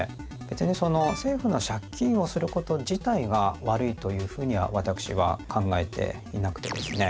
別に政府の借金をすること自体が悪いというふうには私は考えていなくてですね